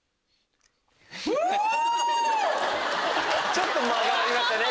ちょっと間がありました。